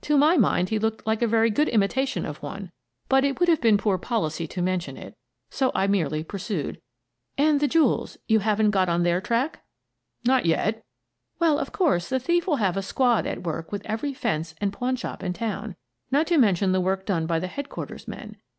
To my mind he looked like a very good imitation of one, but it would have been poor policy to men tion it, so I merely pursued : "And the jewels, you haven't got on their track?" " Not yet" " Well, of course, the Chief will have a squad at work with every fence and pawn shop in town, not to mention the work done by the headquarters men.